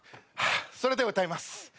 それでは歌います。